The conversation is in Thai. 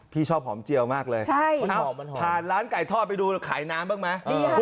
พี่ชอบหอมเจียวมากเลยพาหล้านไก่ทอดไปดูขายน้ำบ้างมั้ยอ๋อดีค่ะ